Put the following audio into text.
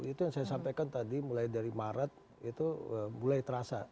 itu yang saya sampaikan tadi mulai dari maret itu mulai terasa